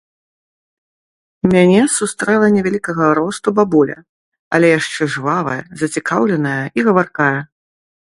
Мяне сустрэла невялікага росту бабуля, але яшчэ жвавая, зацікаўленая і гаваркая.